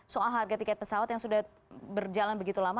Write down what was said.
soal harga tiket pesawat yang sudah berjalan begitu lama